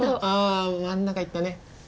あまんなか行ったね。